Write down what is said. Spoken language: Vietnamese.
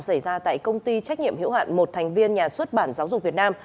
xảy ra tại công ty trách nhiệm hiểu hạn một thành viên nhà xuất bản giáo dục việt nam